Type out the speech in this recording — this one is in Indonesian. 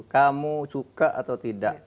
kamu suka atau tidak